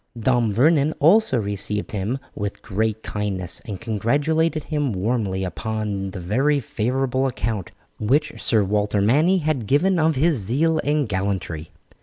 Dame Vernon also received him with great kindness, and congratulated him warmly upon the very favourable account which Sir Walter Manny had given of his zeal and gallantry.